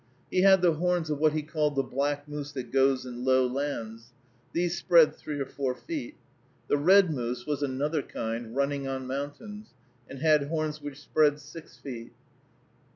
He had the horns of what he called "the black moose that goes in low lands." These spread three or four feet. The "red moose" was another kind, "running on mountains," and had horns which spread six feet.